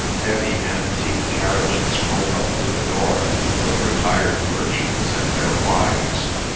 Heavy antique carriages rolled up to the door, with retired merchants and their wives.